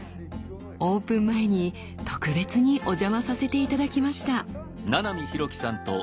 オープン前に特別にお邪魔させて頂きました。